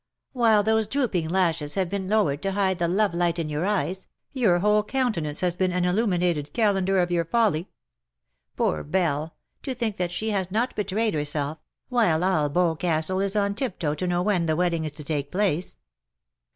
While those drooping lashes have been lowered to hide the love light in your eyes, your whole countenance has been an illuminated calendar of your folly. Poor Belle ! to think that she has not betrayed herself, while all Boscastle is on tiptoe to know when the wedding is to take place.